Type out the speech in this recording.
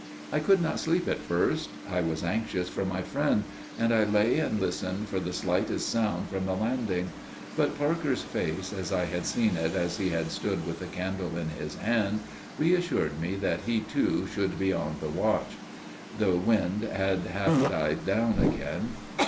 I could not sleep at first. I was anxious for my friend, and I lay and listened for the slightest sound from the landing. But Parker's face, as I had seen it as he had stood with the candle in his hand, reassured me that he too would be on the watch. The wind had half died down again.